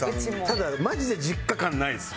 ただマジで実家感ないです